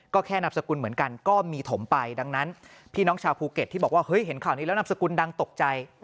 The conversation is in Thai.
ก็แค่นามสกุลเหมือนกันก็มีถมไปดังนั้นพี่น้องชาวภูเก็ตที่บอกว่าเฮ้ยเห็นข่าวนี้แล้วนามสกุลดังตกใจ